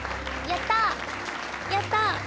やったー。